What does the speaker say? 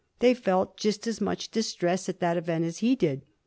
They felt just as much distress at that event as he did.